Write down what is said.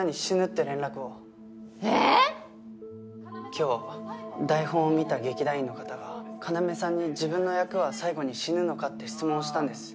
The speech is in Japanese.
今日台本を見た劇団員の方が要さんに自分の役は最後に死ぬのか？って質問をしたんです。